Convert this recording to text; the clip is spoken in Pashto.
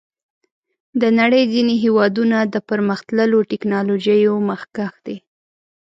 د نړۍ ځینې هېوادونه د پرمختللو ټکنالوژیو مخکښ دي.